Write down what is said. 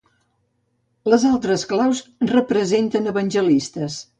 Les altres claus representen evangelistes.